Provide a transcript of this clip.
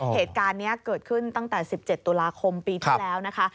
เหตุการณ์นี้เกิดขึ้นตั้งแต่๑๗ตุลาคมปีที่แล้วนะคะ